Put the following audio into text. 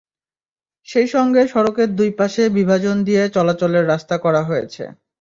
সেই সঙ্গে সড়কের দুই পাশে বিভাজন দিয়ে চলাচলের রাস্তা করা হয়েছে।